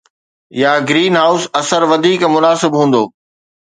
يا greenhouse اثر وڌيڪ مناسب هوندو